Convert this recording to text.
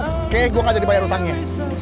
oke gue kagak dibayar utangnya